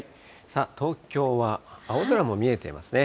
東京は青空も見えてますね。